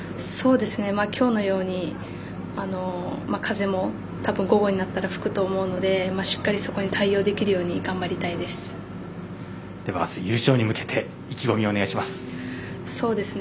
きょうのように風もたぶん、午後になったら吹くと思うのでしっかりそこに対応できるようにあす、優勝に向けて意気込みをお願いします。